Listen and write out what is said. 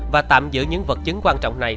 và tạm giữ những vật chứng quan trọng này